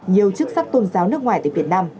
nhiều chức sắc tôn giáo nước ngoài tại việt nam